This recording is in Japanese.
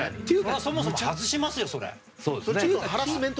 そもそも外しますよそれは。